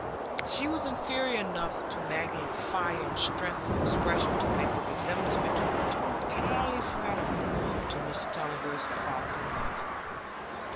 She was inferior enough to Maggie in fire and strength of expression to make the resemblance between the two entirely flattering to Mr Tulliver's fatherly love.